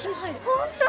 本当？